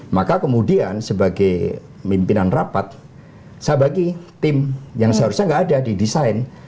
maka kemudian sebagai pimpinan rapat saya bagi tim yang seharusnya tidak ada didesain